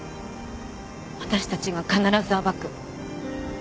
私たちが必ず暴く。